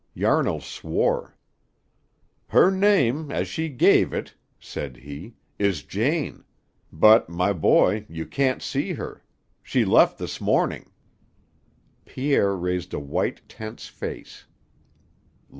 Yarnall swore. "Her name, as she gave it," said he, "is Jane. But, my boy, you can't see her. She left this morning." Pierre raised a white, tense face.